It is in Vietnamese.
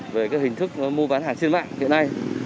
về cái hình thức mua bán hàng trên mạng hiện nay